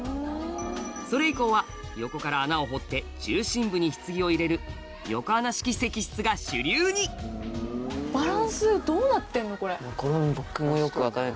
それ以降は横から穴を掘って中心部に棺を入れる横穴式石室が主流にこれは僕もよく分からない。